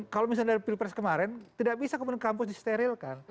kalau misalnya dari pilpres kemarin tidak bisa kemudian kampus disterilkan